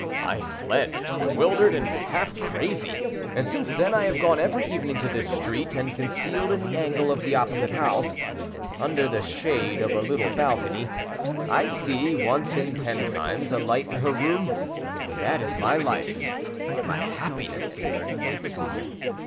I fled, bewildered and half crazy, and since then I have gone every evening to this street, and, concealed in the angle of the opposite house, under the shade of a little balcony, I see, once in ten times, a light in her room: that is my life, my happiness."